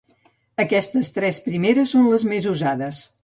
Aquestes tres primeres són les més usades.